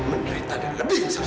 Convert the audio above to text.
menerita dan lebih yang salah